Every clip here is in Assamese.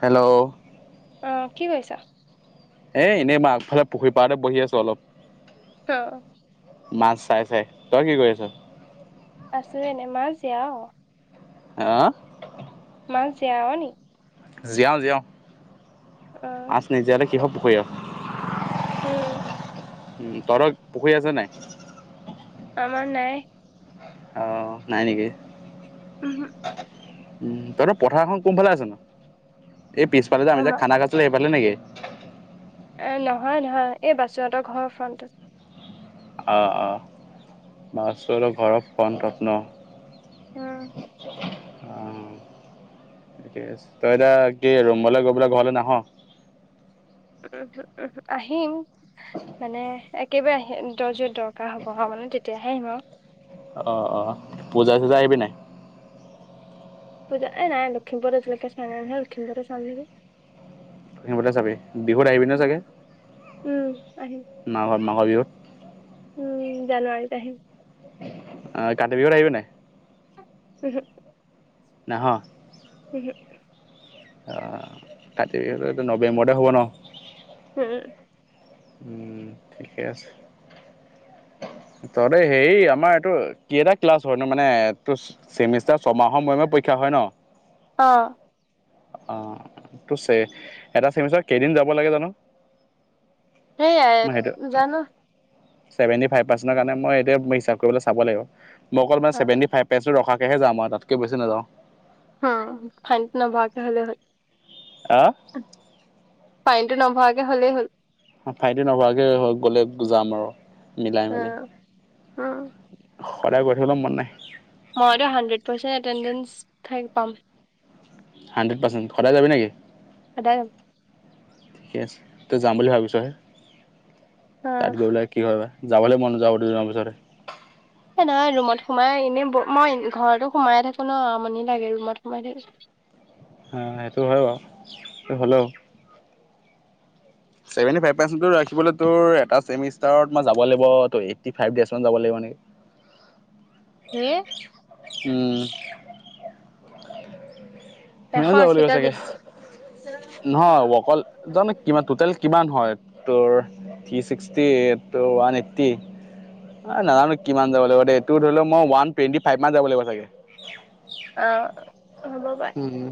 হেল্ল। অ কি কৰিছা? এনেই মই আগফালে পুখুৰী পাৰতে বহি আছো অলপ। অ। মাছ চাই চাই। তই কি কৰি আছ? আছো এনে মাছ জীয়া অ। [unintelligible] মাছ জীয়াবা নি? জীয়াও জিয়াও অ আছ নিজীয়ালে কিহৰ পুখুৰী আৰু। উম। উ তহঁতৰ পুখুৰী আছে নাই। আমাৰ নাই। আহ নাই নেকি? উহু, উম তহঁতৰ পথাৰখন কোনফালে আছে নো? এই পিছফালে আমি যে আমাৰ খানা খাইছিলে সেইফালে নেকি? এ নহয় নহয় এই বাচোহঁতৰ ঘৰৰ ফ্ৰণ্টত। অ অ বসু হেতৰ ঘৰৰ ফ্ৰন্টত ন। উম। অ ঠিকে আছে। তই এতিয়া কি ৰুমলৈ গ'বলৈ ঘৰলৈ নাহ? উমহুঁ, উমহুঁ আহিম। মানে একেবাৰে আহি য'ত য'ত দৰকাৰ হ'ব আও মানে তেতিয়াহে আহিম আও। অঁ, অঁ পূজাই-চূজাই আহিবি নাই? পূজা এ নাই লখিমপুৰতে আজিলৈকে চোৱা নাই নহয়। লখিমপুৰতে চাম নেকি? হিবলে চাবি? বিহুত আহিবি ন' চাগে? উম আহিম মাঘ মাঘৰ বিহুত। উম জানুৱাৰীত আহিম। অ কাতি বিহুত আহিবা নাই? [unintelligible] নাহা। [unintelligible] অ কাটিবিহু এইটো নৱেম্বৰতে হ'ব ন। উম। উম ঠিকে আছে। ত হেৰি আমাৰ এইটো কেটা ক্লাছ হয়নো মানে চেমিষ্টাৰ ছয়মাহৰ মূৰে মূৰে পৰীক্ষা হয় ন। অ। অঁ, তো ছে এটা ছেমিষ্টাৰত কেইদিন যাব লাগে জানো? সেইয়াই জানো? ছেভেণ্টি ফাইভ পাৰ্চেণ্টৰ কাৰণে মই এতিয়া হিচাপ কৰি পেলাই চাব লাগিব। মোক অকল অ মানে ছেভেণ্টি ফাইভ- পেষ্টটো ৰখাকেহে জাম আও তাতকে বেছি নাযাওঁ। উম, ফাইন নভৱাকে হ'লে হ'য়। আ ফাইনটো নভৱাকে হ'লেই হ'ল। ফাইনটি নভৱাকে গলে যাম বাও অ মিলাই-মেলি। স অ সদায় গৈ থাকিবলৈ মন নাই। মইতো, হাণ্ড্ৰেড পাৰ্চেণ্ট এটেণ্ডেঞ্চ চাইন পাম। হাণ্ড্ৰেড পাৰ্চেণ্ট, সদায় যাবি না কি? সদায় যাম। ঠিকেই আছে। তই যাম বুলি ভাবিছ' হে, অ তাত গৈ পেলাই কি হ'য় বা? যাবলৈ মন নোযোৱা হ'ব, দুদিনমানৰ পিছতে। সেই নাই ৰুমত সোমাই এনেই ব মই ঘৰতো সোমাই থাকো ন'। আমনি লাগে ৰুমত সোমাই থাকি। অঁ- সেইটো হ'য় বাৰু। হ'লেও ছেভেণ্টিফাইপ পাৰ্ছণ্টটো ৰাখিবলৈ তোৰ এটা ছেমিষ্টাৰত মই যাব লাগিব, তো এইটি ফাইভ ডেইজ মান যাব লাগিব এনেই। [unintelligible] হেয়ে। [unintelligible] উম! এশ সিমান ল'ব লাগিব আশীটা চাগে? দিছে। নহ'য় অকল, জানোঁ কিমান? টোটেল কিমান হ'য়? তোৰ থ্ৰী চিক্সটি, তোৰ ওৱান এইট্‌টি? মই নাজানোঁ, কিমান যাব লাগিব দেই। তোৰ ধৰি লওঁক, মই ওৱান টুৱেণ্টি ফাইভ মান যাব লাগিব চাগে। অ'! হ'ব, বা উম! উম!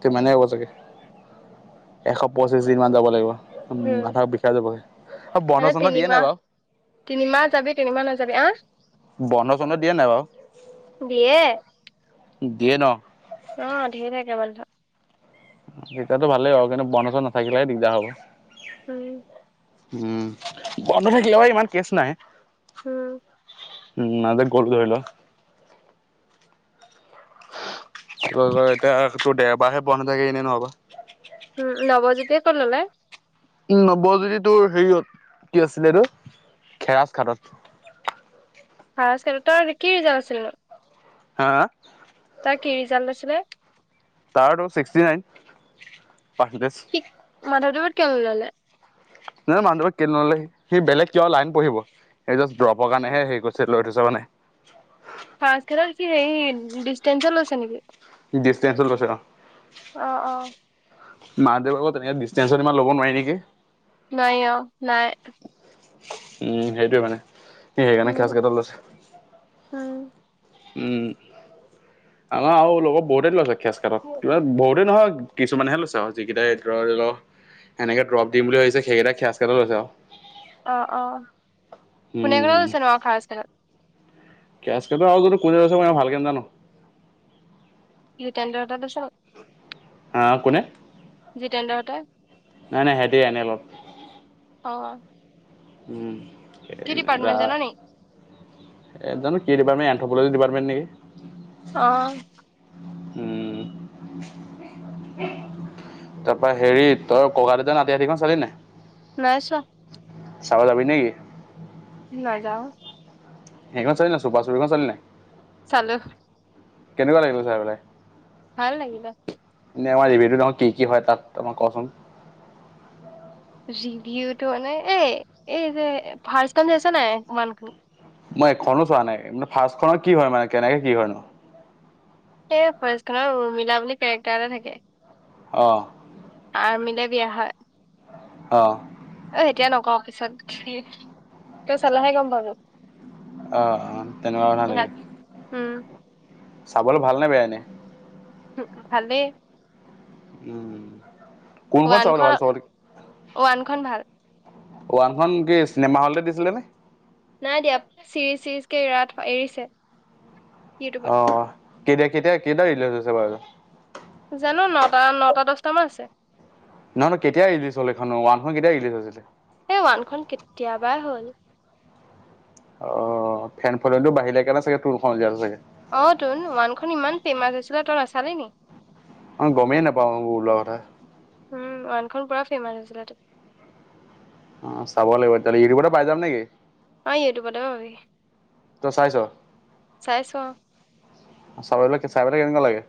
সিমানে হ'ব চাগে। এশ পঁচিশ দিন মান যাব লাগিব। উম! মাথা বিষাই যাবগে। অ'! মানে বন্ধ- চন্ধ দিয়ে নাই তিনিমাহ বাও? তিনিমাহ যাবি, তিনিমাহ নাযাবি। আঁ বন্ধ- চন্ধ দিয়ে নাই বাও? দিয়ে। দিয়ে ন'? অ'! ধেই থাকে বন্ধ। তেতিয়াটো, ভালেই বাৰু। কিন্তু, বন্ধ-চন্ধ নাথাকিলেহে, দিগ্‌দাৰ হ'ব। উম! উম! বন্ধ থাকিলেও, ইমান কেচ নাই। উম! উম! [unintelligible] তোৰ আকৌ এতিয়া, তোৰ দেওবাৰহে বন্ধ থাকে এদিন আগত। উম! নৱজ্যোতিয়ে ক'ত ল'লে? উম! নৱজ্যোতি তোৰ, হেৰিয়ত। কি আছিলে এইটো? খেৰাচ ঘাটত। Higher secondary. তাৰ, কি ৰিজাল্ট আছিলনো? হা, হা? তাৰ, কি ৰিজাল্ট উলাইছিলে? তাৰটো, ছিক্সটি নাইন, পাৰ্চেণ্টিজ। কি মাধৱদেৱত কিয় নল'লে? নাজানোঁ, মাধৱত কেলে নল'লে। সি বেলেগ কিবা লাইন পঢ়িব। সি জাষ্ট ড্ৰপৰ কাৰণেহে, হেৰি কৰিছে, লৈ থৈছে, মানে। ৰ্ফাষ্ট [unintelligible] কি হেৰি, ডিষ্টেঞ্চত লৈছে নেকি? ডিষ্টেঞ্চত লৈছে। অ'! অ', অ', মাধৱদেৱত এনে, ডিষ্টেঞ্চত ইমান ল'ব নোৱাৰি নেকি? নোৱাৰি, অ'! নোৱাৰে। উম! সেইটোৱে মানে। সি উম সেইকাৰণে, [unintelligible] লৈছে। উম! উম! আমাৰ আৰু লগৰ বহুতে লৈছে, [unintelligible] বহুতে নহয়। কিছুমানেহে লৈছে আৰু। যিকেইটাই ধৰি [unintelligible] এনেকে ড্ৰপ দিম বুলি ভাবিছে! সেইকেইটাই [unintelligible] লৈছে আৰু। অ' অ'! কোনে কোনে উম লৈছেনো আৰু [unintelligible] খেয়াচ গেটত আৰু যদি, কোনে লৈছে, মই ভালকে নাজানোঁ। জিতেন্দ্ৰ হেঁতে লৈছে নি? আঁ কোনে? জিতেন্দ্ৰ হেঁতে? নাই, নাই, সিহঁতি এনেই লগ। অ' উম কি ডিপাৰ্মেট জাননি? জানো কি ডিপাৰটেণ্ট এনথ্ৰপলজি ডিপাৰ্টমেন্ট নেকি। অ'! তাৰপা হেৰি, তই ককা-দেউতা, নাতি হাতীখন চালি নাই? নাই চোৱা। চাব যাবি নেকি? নাযাওঁ। সেইখন চালি নাই চুপাচুপিখন চালি নাই? চালো। কেনেকুৱা লাগিলনো চাই পেলায়? ভাল লাগিলে। এনে আমাৰ ৰিভিউটোত কি-কি হয় তাত অলপমান কচোন। ৰিভিউটো মানে এই-এই যে ফাৰ্ষ্ট খন চাইছ নাই ওৱানটো? মই এখনো চোৱা নাই মানে ফাৰ্ষ্টখনত কি হয় মানে কেনেকে কি হয়নো? এই ফাৰ্ষ্ট খনত উৰ্মিলা বুলি কেৰেক্টাৰ এটা থাকে অ' আৰ্মিলে বিয়া হয়। অ' অ' এতিয়া নকওঁ পিছত তই চালাহে গম পাবি। অ'-অ' তেনেকুৱা কথা নেকি? উম চাবলৈ ভাল নে বেয়া এনে? ভালেই। উম। কোনখন চাবলৈ ভাল চবত ওৱানখন-ওৱানখন ভাল। ওৱানখন কি চিনেমা হলতে দিছিলেনে? নাই দিয়া চিৰিজ-চিৰিজ কে ইৰাত এৰিছে। ইউটিউবত অ' কেতিয়- কেতিয়া কেইটা ৰিলিজ হৈছে বাৰু? জানো নটা-নটা দছটা মান আছে। নহয় কেতিয়া ৰিলিজ হ'ল এখন ওৱানখন কেতিয়া ৰিলিজ হৈছিলে? এই ওৱানখন কেতিয়াবাই হ'ল। অ' ফেনফলোয়িং বাঢ়িলে কাৰণে চাগে টু খন উলিয়ালে চাগে। অ' তোন ওৱানখন ইমান ফেমাচ হৈছিলে তই নাছালি নি? অ' গমেই নাপাওঁ এইবোৰ ওলোৱাৰ কথা। উম ওৱানখন পুৰা ফেমাচ হৈছিলেটো। উম চাব লাগিব তেতিয়াহ'লে ইউটিউবতে পাই যাম নেকি? অ' ইউটিউবতে পাবি। তই চাইছ, চাইছো অ চাবলে চাই কিনে কেনেকুৱা লাগে?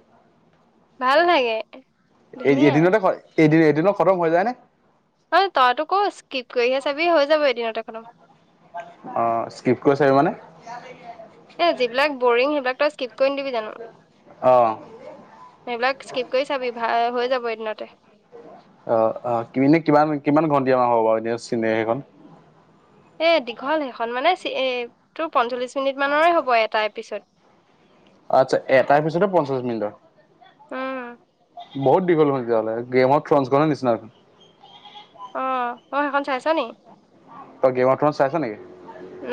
ভাল লাগে ধুনীয়া এদিনতে এদিন এদিনত খতম হৈ যায়নে? অ' তই [unintelligible] স্কিপ কৰিহে চাবি হৈ যাব এদিনতে খতম। অ' স্কিপ্ট কৰি চাবি মানে। [unintelligible] এই যিবিলাক বৰিং সেইবিলাক তই স্কিপ কৰি নিদিবি জানো? অ'। সেইবিলাক স্কিপ কৰি চাবি ভাল হৈ যাব এদিনতে। অ'-অ' এনেই কিমান-কিমান ঘণ্টীয়া মান হ'ব বাৰু এনে চিনেমাখন। এই দীঘল সেইখন মানে চ এই তোৰ পঞ্চল্লিছ মিনিটমানৰে হ'ব এটা এপিছড। আচ্ছা এটাৰ এপিছডে পঞ্চাশ মিনিটৰ? উম বহুত দিঘল হয় তেতিযা হ'লে। গেমত থ্ৰেন্সগন নিচিনা। অ, অ সেইখন চাইছ নি? [unintelligible] চাইছ নেকি?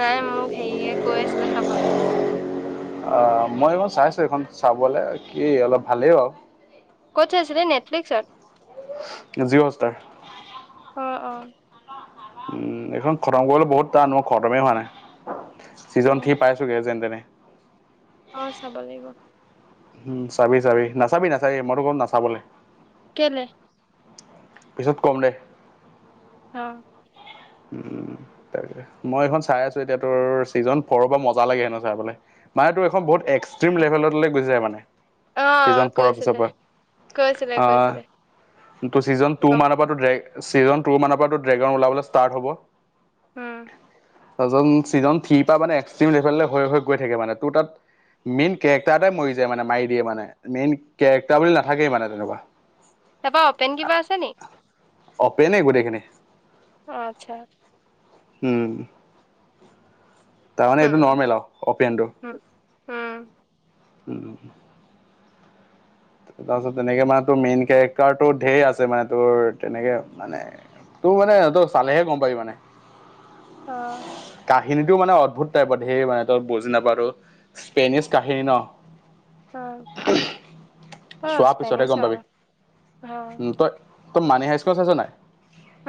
নাই মোক হেৰিয়ে কৈ আছিলে চাবলে। মই এইখন চাইছোঁ এইখন, চাবলৈ কি অলপ ভালেই বা। ক'ত ছাইছিলি নেটফ্লিক্সত? জিঅহষ্টাৰ। অ'-অ' উম এইখন খতম কৰিবলৈ বহুত টান অ' খতমেই হোৱা নাই অ ছিজন ৰ্থি পাইছোগে যেন তেনে। অ' চাব লাগিব। উম চাবি চাবি, নাচাবি নাচাবি মইতো ক'ম নাচাবলে। কেলে? পিছত কম দে। অ, উ তাকে মই এইখন চাই আছো এতিয়া, তোৰ ছিজন ফ'ৰ খন মজা লাগে হেনো চাই পেলাই। মানে তো এখন বহুত এক্টিম লেভেললৈ গোছিযায় মানে। অ সিজন ফৰৰ পিছৰ কৈছিলে পৰা। কৈছিলে কৈছিলে আহ ছিজন টু গম মানৰ পৰা ড্ৰে, ছিজন টু মানৰ পৰা ড্ৰেগন ওলাবলৈ ষ্টাৰ্ট হ'ব। উম, ত ছিজন থিৰ পৰা মানে এক্সট্ৰিম লেভেল হৈ হৈ গৈ থাকে মানে। তোৰ তাত মেইন কেৰেক্টাৰ এই মৰি যায় মানে, মাৰি দিয়ে মানে। মেইন কেৰেক্টাৰ বুলি নাথাকেই মানে তেনেকুৱা। তাৰপা অপেন কিবা আছে নি? অ'পেনেই গোটেইখিনি। আতচ্ছা। উম। তাৰমানে এইটো উম নৰ্মেল আৰু অপিয়ানটো। উম উম উম। তাৰপিছত তেনেকে মানে তোৰ মেইন কেৰেক্টাৰটো ধেৰ আছে মানে, তোৰ তেনেকে মানে তোৰ মানে ত চালেহে গম পাবি মানে। অঁ। কাহিনীটো মানে অদ্ভুত টাইপৰ ধেৰ মানে, তই বুজি নাপাওতো স্পেনিছ কাহিনী ন। অ, অ চোৱাৰ পিছতহে স্পেনিছ গম অ পাবি। অ তই তই মানি হাই স্কুল চাইছ নাই?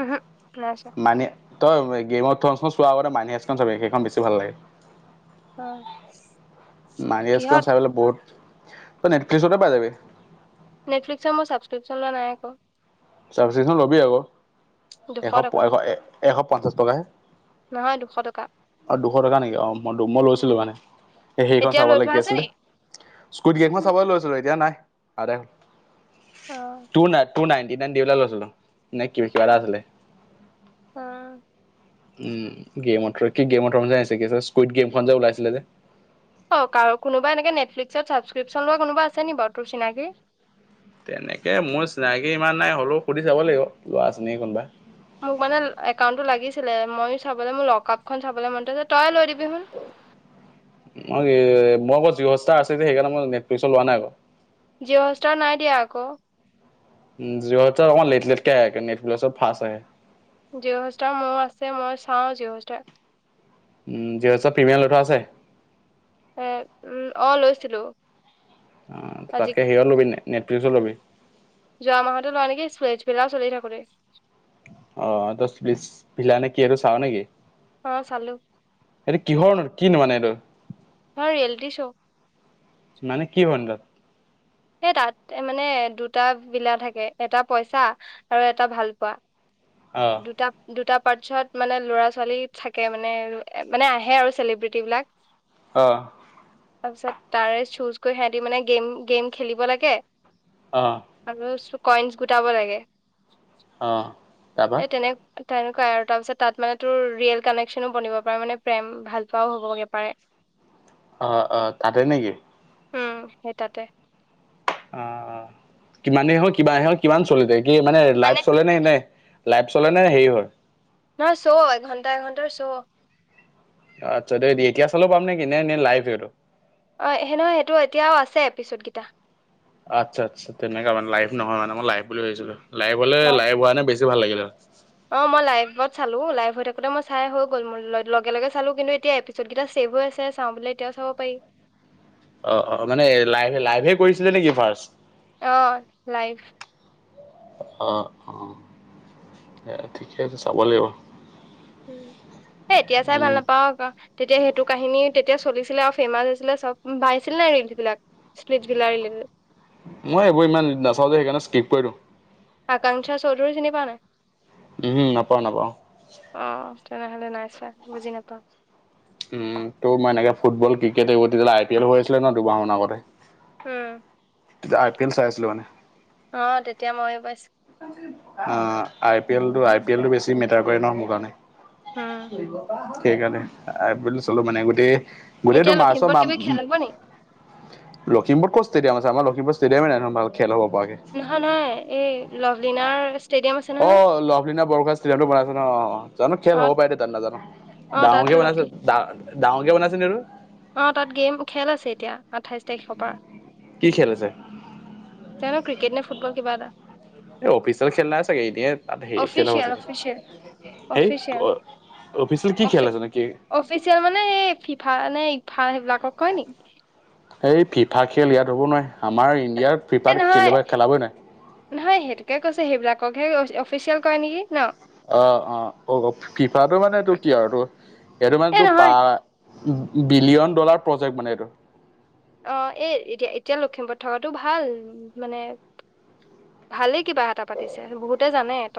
উহো নাইছোৱা। মানে তই গেমত থ চোৱাৰ আগতে, মানেহেচ খন চাবি সেইখন বেছি ভাল লাগে। অ নাৰিছ খন কিহত চাই পেলাই বহুত, তই নেটফ্লিক্সতে পাই যাবি। নেটফ্লিক্স মোৰ ছাব্ক্ৰিশ্যনোৱা নাই ক। ছান্সিকছন ল'বি আকৌ, দুশ এশ টকা এশ এ এশ পঞ্চাশ টকাহে। নহয় দুশ টকা। অ দুশ টকা নেকি? অ মই ডুম্ব লৈছিলো মানে, সে সেইখন এতিয়া লৈ চাবলে থোৱা কি আছে আছিলে! নি স্কুটি এখন চাব লৈছিলো এতিয়া নাই! আদাই হ'ল, অ two nine, two nine. Three ninety এটা লৈছিলো। নে ক কিবা এটা আছিলে। অ উম গেমত কি গেমত তনজাই আছে, কি স্কুইড গেম খন যে ওলাইছিলে যে। অ কাৰ কোনবা এনেক নেটফ্লিকসত ছাবসক্ৰিপশন লোৱা কোনোবা আছে নেকি বাৰু তোৰ চিনাকি? তেনেকে মোৰ চিনাকি ইমান নাই হ'লেও সুধি চাব লাগিব! ল'ৰা আছেনেকি কোনোবা। মোক মানে একাউণ্টটো লাগিছিলে ময়ো চাবলৈ, মোৰ লক আপখন চাবলৈ মনতে আছে তয়ে লৈ দিবি হোন। মই মোৰ আকৌ জিও হস্তাৰ আছে যে, সেইকাৰণে মই নেটফ্লিক্সৰ লোৱা নাই আকৌ। জিঅ'হষ্টাৰ নাই দিয়া আকৌ? জিঅ হস্তাৰ অকমান লেট লেটকে আহে, নেটফ্লেট চ ফাষ্টে আহে। জিঅ হস্তাৰ মোৰ আছে মই চাওঁ জিঅ হস্তাৰ। উ জিঅ হস্তাৰ প্ৰিমিয়াম লৈ থোৱা আছে? উম অ লৈছিলো। অ আজি তাতকে সেয়াও ল'বি নটফ্লিক্সো ল'বি? যোৱা মাহত লোৱা নেকি সুলজবেলাও চলি থাকোঁতে। অ দহ বিছ পিলা নে কি এইটো চাও নেকি? অ চালো। এইটো কিহৰ ন কিনো মানে এইটো? হয় ৰিয়েলিটি শ্ব'। মানে কি পইনত? সেই তাত মানে দুটা বিলা থাকে এটা পইচা আৰু এটা ভালপোৱা। অ দুটা দুটা পাৰ্চয়ত মানে ল'ৰা ছোৱালী থাকে মানে মানে আহে আৰু চেলিব্ৰিট বিলাক [unintelligible] অঁ তাৰপিছত তাৰে চুজ কৰি সিহঁতি মানে গেম গেম খেলিব লাগে - - অ আৰু কইনচ গোটাব লাগে অ', তাৰপা এই তেনে তেনেকুৱাই আৰু তাৰ পিছত তাত মানে তোৰ ৰিয়েল কানেকশচনো বনিব পাৰে মানে প্ৰেম ভাল পোৱাও হ'বগে পাৰে। অ অ তাতে নেকি? উম সেই তাতে। অ কিমান দেৰি হ'ল কিমান চল দে কি মানে লাইফ চলে ন নে লাইভ চলেনে হেৰি হয়। নহয় শ্ব' এঘণ্টা এঘণ্টাৰ শ্ব'। আচ্ছা দে এতিয়া চালো পাম নে কি নে নে এই লাইভ সটো? অঁ সে নহয় সেইটো এতিয়াও আছে এপিছডকেইটা। আচ্ছা আচ্ছা তেনেককা মানে লাইভ নহয় মানে মই লাইভ বুলি ভাবিছিলো লাইভ হ'লে লাইভ হোৱা নে বেছি ভাল লাগিলে। অঁ মই লাইভত চালো লাইভ হৈ থাকোতে মই চাই হৈ গ'ল মোৰ লগে লগে চালো কিন্তু এতিয়াি চ'টকেইটা ছেভো আ চাওঁ বলে এতিয়াও চাব পাৰি। অঁ অঁ মানে লাইভে লাইভে কৰিছিলে নেকি ফাৰ্ষ্ট? অঁ লাইফ। অ অ ঠিকে আছে চাব লাগিব। উম সেই এতিয়া চাই ভাল উম, নাপাও আকৌ তেতিয়া সেইটো কাহিনী তেতিয়া চলিছিলে আৰু ফেমাচ হৈছিলে চব পাইছিলে নাই ৰিলচ বিলাক? স্লিজ বি লিল ৰিলে [unintelligible] মই এইবোৰ ইমান নাচাওঁ যে সেইকাৰণে স্কিপ কৰি দিওঁ। আকাংক্ষা চৌধুৰী চিন পাও নাই? উহো নাপাওঁ নাপাওঁ। অ তেনেহ'লে নাই চোৱা বুজি নাপাওঁ। উম ত' মই এনেকে ফুটবল ক্ৰিকেট তেতিয়াহলে এইবোৰ আই পি এল হৈ আছিলে ন দুমাহ মানৰ আগতে উম তেতি আই পি এ চাই আছিলে মানে। অঁ তেতিয়া ময়ো পাইছোঁ। অঁ আই পি এল টো আই পি এলটো বেছি মেটাৰ কৰে ন মোৰ কাৰণে। উম সেইকাৰনে। বুলি চলো মানে গোটেই গোটেইটো এতিয়া মাৰ্চৰ লখিমপুৰত কিবা খেল হব নি লখিমপুৰ ষ্টেডাম আাৰ লখমুৰ ষ্টেয়ামে ননেৰ ভ খেল'ব পৰাকে? অহা নাই। নহয় অঁ লভলীনা বৰখ ষ্টিডামটো বনাইছে ন জানো খেল হব পাৰে দে তান নাজানো? অঁ তাত। বনাইছা লক্ষী ডাঙৰকে বনাইছে সেটো? অঁ তাত গেম খেল আছে এতিয়া আঠাইছ তাৰিখৰ পৰা। কি খেল আছে জানো ক্ৰেট নে ফুটবল কিবা এটা। এই অফিচিয়েল খেল নাই চাগে এদিয়ে তাত হে খেল হব অফিচিয়েল চাগে অফিচিয়েল সেই অফিচিয়েল অঁ অফিচ কি অফি খেল আছে নে কি অফিচিয়েল মানে এই ফিফা নে ইফা সেইবিলাকক কয় নেকি এই ফিফা খেল ইয়াত হ'ব নোৱাৰে আমাৰ ইণ্ডিয়াত এ ফিফাত নহয় খেলিব খেলাবই নাই নহয় সেইটোকে কৈছে সেইবিলাককহে অফিচিয়েল কয় নেকি ন অঁ অঁ অঁ ফিফাটো মানে এইটো কি আৰুটো এইটো মানে এ তটো প নহয় বিলিয়ন ডলাৰ প্ৰজেক্ট মানে এইটো অঁ এ এতিয়া এতিয়া লখিমপুৰত থকাতটো ভাল মানে ভালে কিবা এটা পাতিছে বহুতে জানে তই